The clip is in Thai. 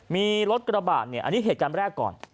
มีรถกระบาดเนี่ยอันนี้เหตุการณ์แรกก่อน